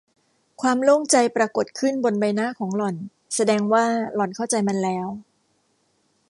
ความโล่งใจปรากฏขึ้นบนใบหน้าของหล่อน แสดงว่าหล่อนเข้าใจมันแล้ว